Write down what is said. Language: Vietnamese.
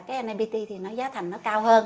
cái nipt thì giá thành nó cao hơn